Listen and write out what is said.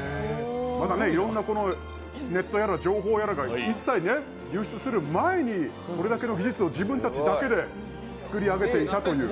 いろんなネットやら情報が流出する前にこれだけの技術を自分たちだけで作り上げていたという。